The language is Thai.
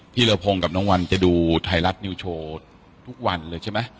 ระพงศ์กับน้องวันจะดูไทยรัฐนิวโชว์ทุกวันเลยใช่ไหม